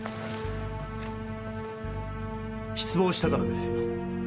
失望したからですよ。